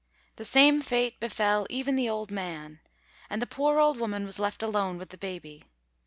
The same fate befell even the old man, and the poor old woman was left alone with the baby.